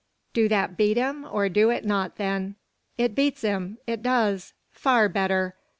"Do that beat him, or do it not, then?" "It beats him!" "It does!" "Far better!"